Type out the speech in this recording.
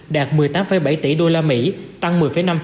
đạt một mươi tám bảy tỷ usd tăng một mươi năm